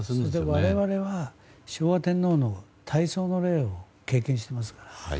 我々は昭和天皇の大喪の礼を経験してますから。